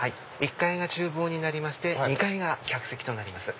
１階が厨房になりまして２階が客席となります。